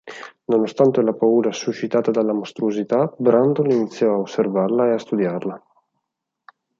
Nonostante la paura suscitata dalla mostruosità, Brundle inizia a osservarla e a studiarla.